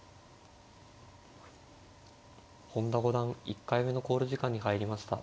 本田五段１回目の考慮時間に入りました。